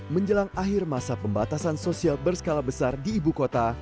menjelang akhir masa pembatasan sosial berskala besar di ibu kota